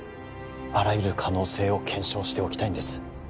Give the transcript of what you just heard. あらゆる可能性を検証しておきたいんです